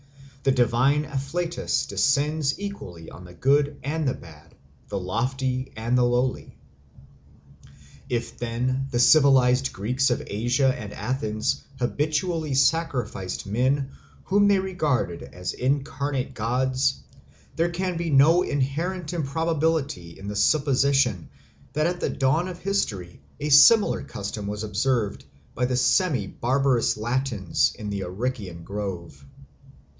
The divine afflatus descends equally on the good and the bad, the lofty and the lowly. If then the civilised Greeks of Asia and Athens habitually sacrificed men whom they regarded as incarnate gods, there can be no inherent improbability in the supposition that at the dawn of history a similar custom was observed by the semibarbarous Latins in the Arician Grove.